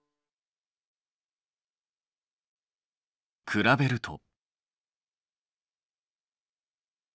比べると。